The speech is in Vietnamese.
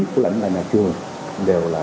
của lãnh đại nhà trường đều là